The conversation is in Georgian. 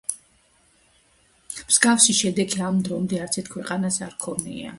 მსგავსი შედეგი ამ დრომდე არცერთ ქვეყანას ჰქონია.